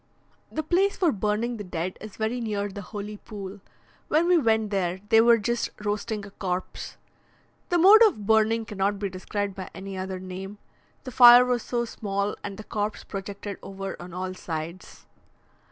The place for burning the dead is very near the holy pool. When we went there, they were just roasting a corpse the mode of burning cannot be described by any other name, the fire was so small, and the corpse projected over on all sides.